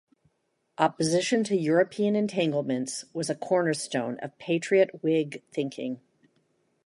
Opposition to European entanglements was a cornerstone of Patriot Whig thinking.